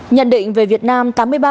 nhận định về việt nam